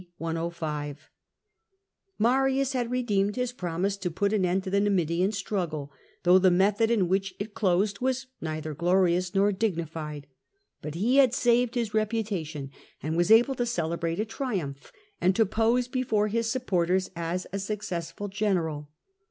105], Marius had redeemed his promise to put an end to the Numidian struggle, though the method in which it closed was neither glorious nor dignified. But he had saved his reputation, and was able to celebrate a triumph, and to pose before his supporters as a successful general.